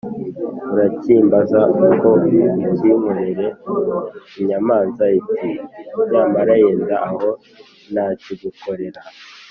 urakimbaza ko ukinkorere?’ inyamanza iti ‘nyamara yenda aho nakigukorera.’